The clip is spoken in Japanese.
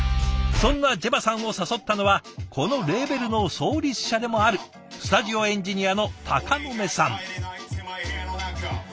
そんなＪＥＶＡさんを誘ったのはこのレーベルの創立者でもあるスタジオエンジニアの鷹の目さん。